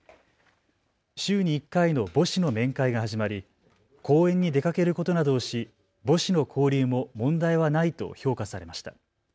週に１回の母子の面会が始まり、公園に出かけることなどをし母子の交流も問題はないと評価されました。